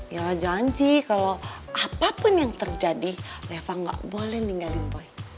ya janji kalau apapun yang terjadi leva nggak boleh ninggalin boy